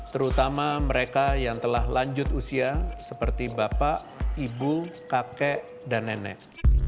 terutama mereka yang telah lanjut usia seperti bapak ibu kakek dan nenek